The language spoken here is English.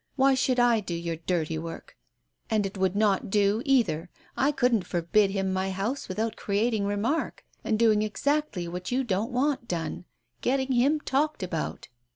Why should I do your dirty work ? And it would not do either, I couldn't forbid him my house without creating remark, and doing exactly what you don't want done — getting him talked about.